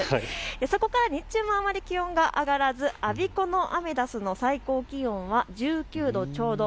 そこから日中もあまり気温が上がらずアメダスの最高気温は１９度ちょうど。